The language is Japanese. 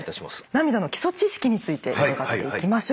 涙の基礎知識について伺っていきましょう。